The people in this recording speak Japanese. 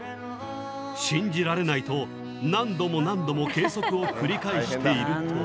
信じられないと何度も何度も計測を繰り返していると。